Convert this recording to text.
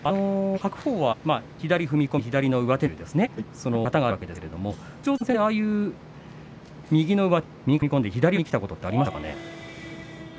白鵬は左踏み込み左の上手ねらいという型があるわけですけれども栃煌山戦でああいう右の上手ねらい右から踏み込んで左四つにきたことはありましたかね。